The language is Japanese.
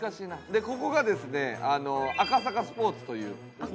でここがですねアカサカ・スポーツという。